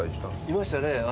いましたね。